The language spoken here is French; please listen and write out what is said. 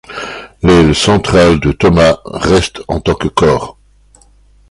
L'aile centrale de Thomas reste en tant que corps.